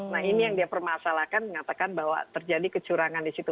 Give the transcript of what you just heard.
nah ini yang dia permasalahkan mengatakan bahwa terjadi kecurangan di situ